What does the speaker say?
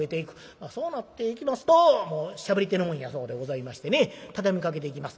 まあそうなっていきますともうしゃべり手のもんやそうでございましてねたたみかけていきます。